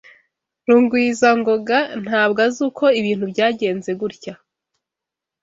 Rugwizangoga ntabwo azi uko ibintu byagenze gutya.